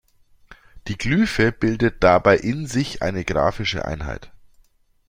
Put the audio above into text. Die Glyphe bildet dabei in sich eine grafische Einheit.